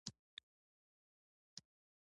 د کرنې په برخه کې د ښځو رول باید وده ومومي.